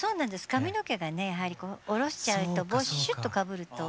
髪の毛がねやはりこう下ろしちゃうと帽子シュッとかぶると。